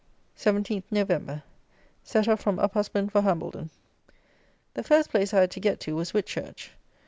17 November. Set off from Uphusband for Hambledon. The first place I had to get to was Whitchurch.